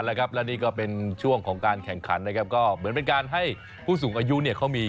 ให้แข็งแรงแล้วก็คึกคืนนี่ดูคนนี้ดิ